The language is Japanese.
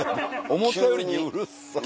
思ったよりうるさっ。